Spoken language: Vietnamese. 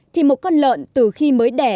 thì một con lợn từ khi mới đẻ